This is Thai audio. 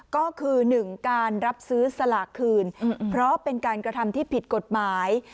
ก็คือ๑การรับซื้อสลากคืนเพราะเป็นการกระทำที่ผิดกฎหมาย